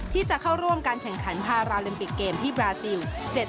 ที่จะเข้าร่วมการแข่งขันพาราลิมปิกเกมที่บราซิล